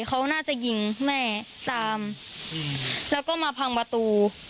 เขาน่าจะยิงแม่ตามแล้วก็มาพังประตู